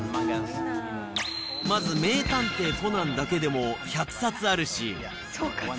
まず、名探偵コナンだけでも１００冊あるし。